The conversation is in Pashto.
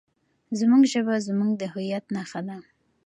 زموږ ژبه زموږ د هویت نښه ده.